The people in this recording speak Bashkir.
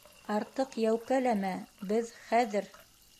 - Артыҡ йәүкәләмә, беҙ - хәҙер.